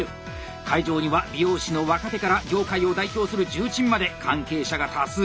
会場には美容師の若手から業界を代表する重鎮まで関係者が多数。